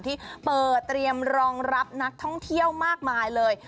ที่เปิดเตรียมรองรับนักท่องเที่ยวมากมายเลย